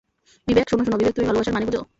বিবেক, শোন শোন, বিবেক তুমি ভালবাসার মানে বুঝ?